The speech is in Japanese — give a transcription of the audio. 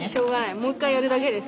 もう一回やるだけです。